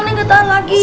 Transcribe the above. nih kita lagi